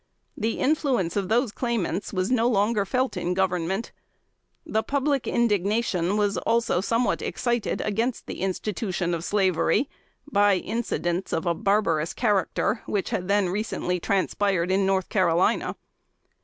The influence of those claimants was no longer felt in the Government. The public indignation was also somewhat excited against the institution of Slavery by incidents of a barbarous character, which had then recently transpired in North Carolina.